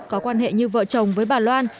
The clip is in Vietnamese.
có quan hệ như vợ chồng với bà loan